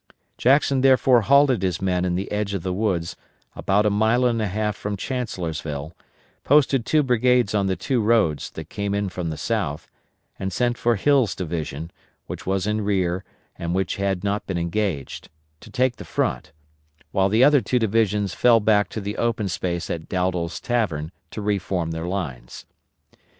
Jackson therefore halted his men in the edge of the woods, about a mile and a half from Chancellorsville, posted two brigades on the two roads that came in from the south, and sent for Hill's division, which was in rear and which had not been engaged, to take the front, while the other two divisions fell back to the open space at Dowdall's Tavern to reform their lines.